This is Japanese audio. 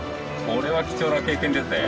これは貴重な経験ですね。